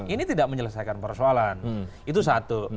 ini tidak menyelesaikan persoalan itu satu